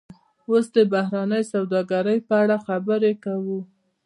اوس د بهرنۍ سوداګرۍ په اړه خبرې کوو